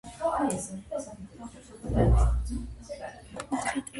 იპოლიტა აღზარდეს როგორც ძალიან ინტელიგენტი და კულტურული ახალგაზრდა ქალბატონი.